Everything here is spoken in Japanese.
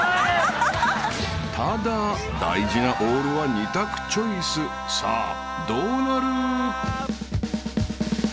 ［ただ大事なオールは２択チョイス］［さあどうなる？］